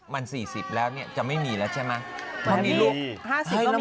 มัน๔๐แล้วเนี่ยจะไม่มีแล้วใช่ไหม